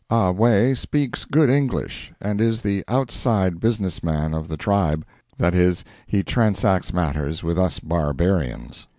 Ah Wae speaks good English, and is the outside business man of the tribe—that is, he transacts matters with us barbarians.